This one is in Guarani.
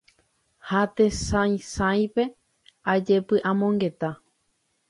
ha tesaysaýpe ajepy'amongeta